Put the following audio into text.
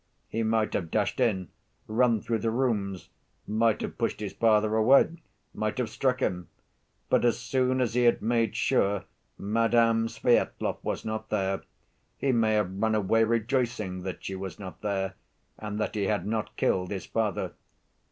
He might have dashed in, run through the rooms; might have pushed his father away; might have struck him; but as soon as he had made sure Madame Svyetlov was not there, he may have run away rejoicing that she was not there and that he had not killed his father.